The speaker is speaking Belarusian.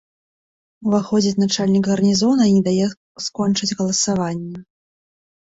Уваходзіць начальнік гарнізона і не дае скончыць галасаванне.